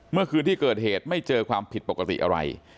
เมื่อคืนที่เกิดเหตุไม่เจอความผิดปกติอะไร